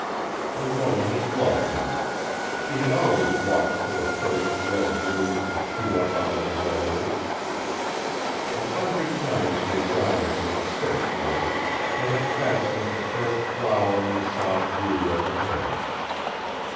The woman had loved them. She had always watched for the first red blooms to shoot up out of the wet earth. A hundred times he had gone with her to search for them, and had fastened the first flower in the soft beauty of her hair.